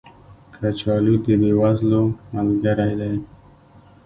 کچالو د بې وزلو ملګری دی